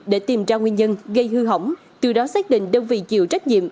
để tìm ra nguyên nhân gây hư hỏng từ đó xác định đơn vị chịu trách nhiệm